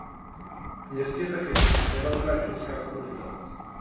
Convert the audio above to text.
Ve městě také sídlí nevelká židovská komunita.